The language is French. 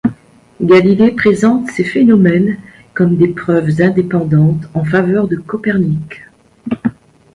Galilée présente ces phénomènes comme des preuves indépendantes en faveur de Copernic.